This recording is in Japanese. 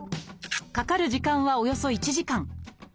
かかる時間はおよそ１時間。